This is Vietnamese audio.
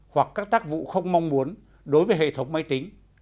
hoặc các tác vụ không mong muốn đối với hệ thống máy tính